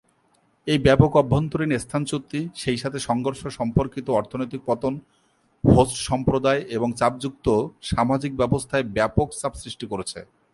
এই ব্যাপক অভ্যন্তরীণ স্থানচ্যুতি, সেইসাথে সংঘর্ষ-সম্পর্কিত অর্থনৈতিক পতন, হোস্ট সম্প্রদায় এবং চাপযুক্ত সামাজিক ব্যবস্থায় ব্যাপক চাপ সৃষ্টি করেছে।